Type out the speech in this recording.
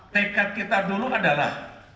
tekad kita dulu adalah